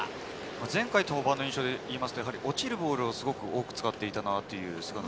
前回登板の印象だと落ちるボールをすごく多く使っていたなという。